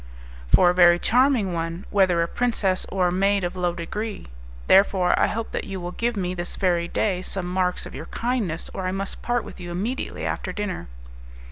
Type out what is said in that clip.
"For a very charming one, whether a princess or a maid of low degree. Therefore, I hope that you will give me, this very day, some marks of your kindness, or I must part with you immediately after dinner."